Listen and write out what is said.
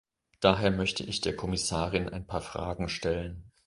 Daher möchte ich der Kommissarin ein paar Fragen stellen.